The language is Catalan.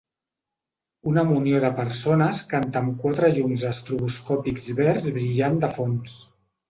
Una munió de persones canta amb quatre llums estroboscòpics verds brillant de fons.